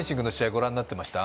ご覧になってました？